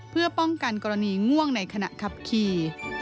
เพื่อป้องกันกรณีง่วงในขณะขับขี่